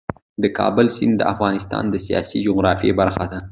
د کابل سیند د افغانستان د سیاسي جغرافیې برخه ده.